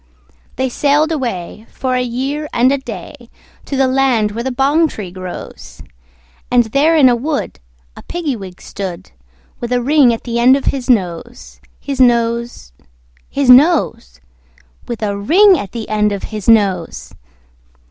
They sailed away, for a year and a day, To the land where the bong tree grows; And there in a wood a Piggy wig stood, With a ring at the end of his nose, His nose, His nose, With a ring at the end of his nose.